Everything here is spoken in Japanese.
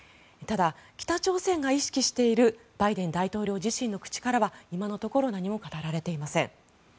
ただ、北朝鮮が意識しているバイデン大統領自身の口からは今のところ何も語られていません。